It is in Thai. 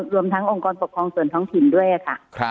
รวมทั้งองค์กรปกครองส่วนท้องถิ่นด้วยค่ะ